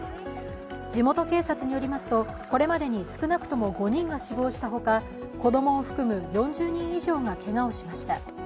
地元警察によりますとこれまでに少なくとも５人が死亡したほか子供を含む４０人以上がけがをしました。